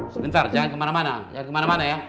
sebentar jangan kemana mana jangan kemana mana ya